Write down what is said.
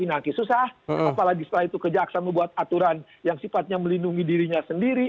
apalagi susah apalagi setelah itu kejaksaan membuat aturan yang sifatnya melindungi dirinya sendiri